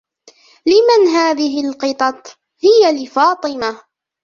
" لمن هذه القطط ؟"" هي لفاطمة ".